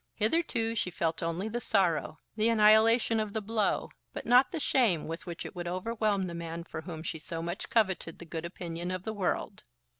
Hitherto she felt only the sorrow, the annihilation of the blow; but not the shame with which it would overwhelm the man for whom she so much coveted the good opinion of the world.